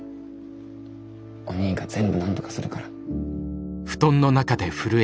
おにぃが全部なんとかするから。